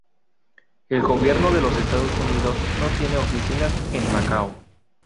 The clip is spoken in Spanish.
El gobierno de los Estados Unidos no tiene oficinas en Macao.